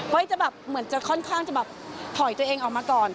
จะแบบเหมือนจะค่อนข้างจะแบบถอยตัวเองออกมาก่อน